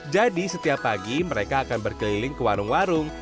jadi setiap pagi mereka akan berkeliling ke warung warung